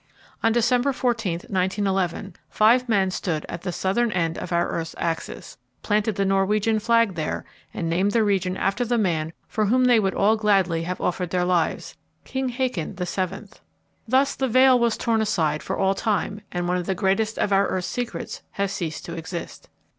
On December 14, 1911, five men stood at the southern end of our earth's axis, planted the Norwegian flag there, and named the region after the man for whom they would all gladly have offered their lives King Haakon VII. Thus the veil was torn aside for all time, and one of the greatest of our earth's secrets had ceased to exist.